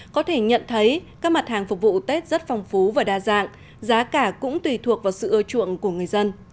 có thể nhận thấy các mặt hàng phục vụ tết rất phong phú và đa dạng giá cả cũng tùy thuộc vào sự ưa chuộng của người dân